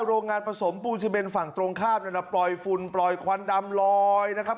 โรงงานผสมปูซิเบนฝั่งตรงข้ามนั่นน่ะปล่อยฝุ่นปล่อยควันดำลอยนะครับ